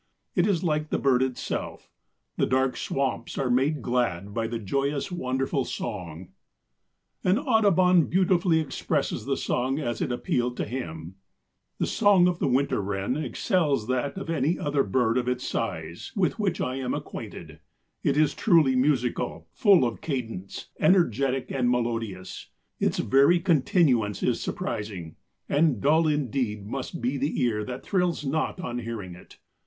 It is like the bird itself. The dark swamps are made glad by the joyous, wonderful song." [Illustration: WINTER WREN. (Troglodytes hiemalis.) About Life size. FROM COL. CHI. ACAD. SCIENCES.] And Audubon beautifully expresses the song as it appealed to him: "The song of the Winter Wren excels that of any other bird of its size with which I am acquainted. It is truly musical, full of cadence, energetic and melodious; its very continuance is surprising, and dull indeed must be the ear that thrills not on hearing it.